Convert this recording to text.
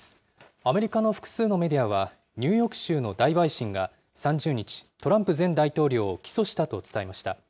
アメリカの複数のメディアは、ニューヨーク州の大陪審が３０日、トランプ前大統領を起訴したと伝えました。